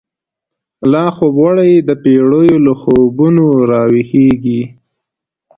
لا خوب وړی دپیړیو، له خوبونو را وښیږیږی